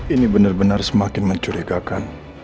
ini bener bener semakin mencurigakan